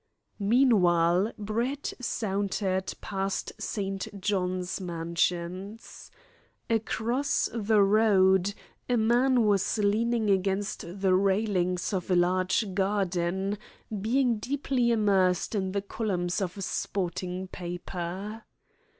Meanwhile, Brett sauntered past St. John's Mansions. Across the road a man was leaning against the railings of a large garden, being deeply immersed in the columns of a sporting paper.